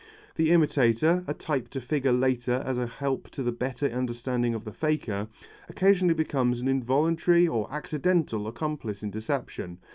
The imitator, a type to figure later as a help to the better understanding of the faker, occasionally becomes an involuntary or accidental accomplice in deception.